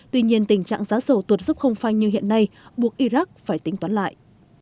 tuy nhiên tình trạng giá dầu tuột sốc không phai như hiện nay buộc iraq phải tính toán lại